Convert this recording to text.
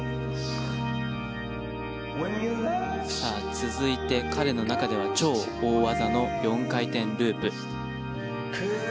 続いて彼の中では超大技の４回転ループ。